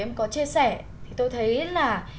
em có chia sẻ tôi thấy là